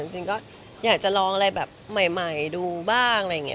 จริงก็อยากจะลองอะไรแบบใหม่ดูบ้างอะไรอย่างนี้